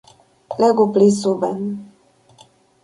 Legu pli suben.